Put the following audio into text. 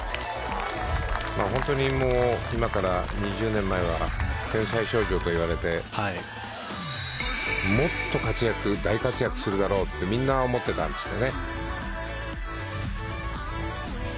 本当に今から２０年前は天才少女といわれてもっと活躍大活躍するだろうってみんな思ってたんですけどね。